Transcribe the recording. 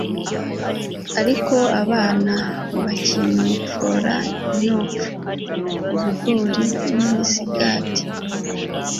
ariko abana bakinopfora inopfu, ibigori n’imisigati